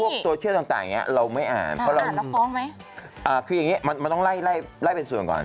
คือยังนี้มันต้องไล่เป็นส่วนก่อน